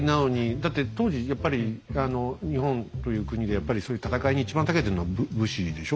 だって当時やっぱり日本という国でやっぱりそういう戦いに一番たけてるのは武士でしょ？